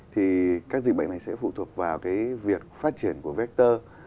thì các dịch bệnh này sẽ phụ thuộc vào cái việc phát triển của vector